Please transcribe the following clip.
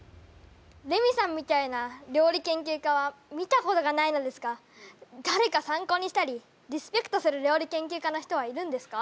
レミさんみたいな料理研究家は見たことがないのですがだれか参考にしたりリスペクトする料理研究家の人はいるんですか？